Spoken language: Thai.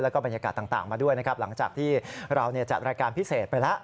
แล้วก็บรรยากาศต่างมาด้วยนะครับหลังจากที่เราจัดรายการพิเศษไปแล้ว